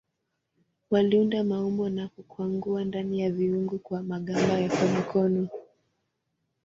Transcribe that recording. Waliunda maumbo na kukwangua ndani ya viungu kwa magamba ya konokono.